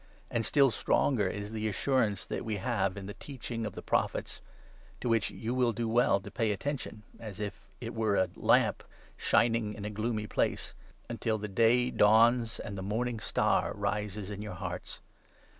And still stronger is the assurance that we have 19 in the teaching of the Prophets ; to which you will do well to pay attention (as if it were a lamp shining in a gloomy place), until the Day dawns and the Morning Star rises in your hearts.